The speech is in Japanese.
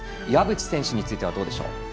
岩渕選手についてはどうでしょう。